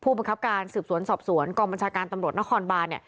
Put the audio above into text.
บังคับการสืบสวนสอบสวนกองบัญชาการตำรวจนครบาน